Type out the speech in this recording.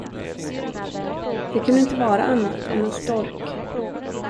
Det kunde inte vara annat än en stork.